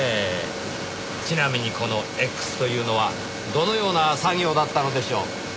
ちなみにこの「Ｘ」というのはどのような作業だったのでしょう？